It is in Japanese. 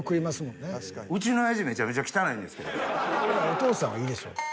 ［お父さんはいいでしょ］